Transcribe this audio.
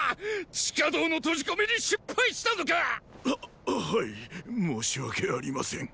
地下道の閉じ込めに失敗したのか⁉ははい申し訳ありません。